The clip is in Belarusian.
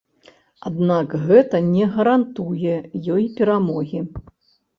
Аднак гэта не гарантуе ёй перамогі.